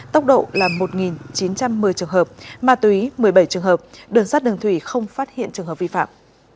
tốc độ là một chín trăm một mươi trường hợp ma túy một mươi bảy trường hợp đường sát đường thủy không phát hiện trường hợp vi phạm